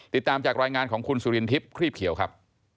ติดตามจากรายงานของคุณสุรินทิพย์ครีบเขียวครับ